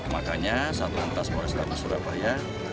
makanya satuan pas polrek surabaya